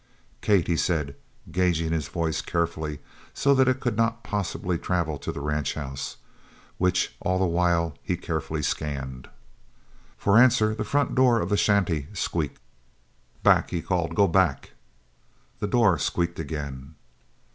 "Kate!" he said, gauging his voice carefully so that it could not possibly travel to the ranch house, which all the while he carefully scanned. For answer the front door of the shanty squeaked. "Back!" he called. "Go back!" The door squeaked again.